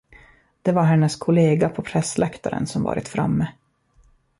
Det var hennes kollega på pressläktaren som varit framme.